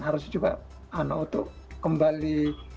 harus juga untuk kembali